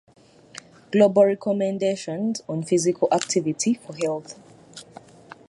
Global Recommendations on Physical Activity for Health.